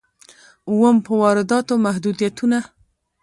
اووم: په وارداتو محدودیتونه.